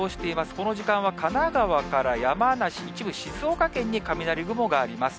この時間は神奈川から山梨、一部静岡県に、雷雲があります。